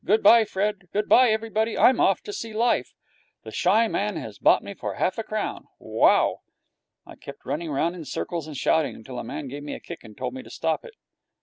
Good bye, Fred. Good bye everybody. I'm off to see life. The Shy Man has bought me for half a crown. Wow!' I kept running round in circles and shouting, till the man gave me a kick and told me to stop it.